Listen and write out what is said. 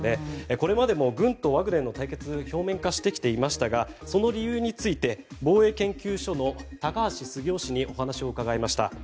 これまでも軍とワグネルの対立は表面化してきていましたがその理由について防衛研究所の高橋杉雄氏にお話を伺いました。